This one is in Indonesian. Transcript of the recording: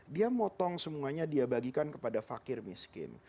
dia motong semuanya dia bagikan kepada fakir miskin